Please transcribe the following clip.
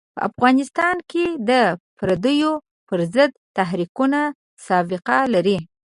په افغانستان کې د پردیو پر ضد تحریکونه سابقه لري.